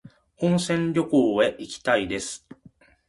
温泉旅行へ行きたいです